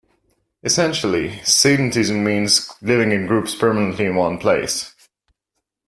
Essentially, sedentism means living in groups permanently in one place.